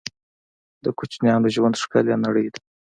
د کوچنیانو ژوند ښکلې نړۍ ده